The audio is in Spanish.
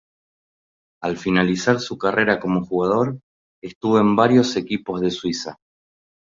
Al finalizar su carrera como jugador, estuvo en varios equipos de Suiza.